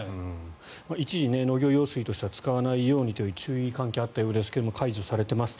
一時、農業用水としてはつかわないようにという注意喚起があったようですが解除されています。